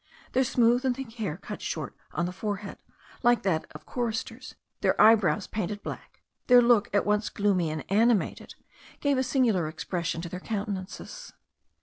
Their smooth and thick hair, cut short on the forehead like that of choristers, their eyebrows painted black, their look at once gloomy and animated, gave a singular expression to their countenances.